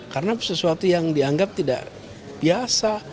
karena sesuatu yang dianggap tidak biasa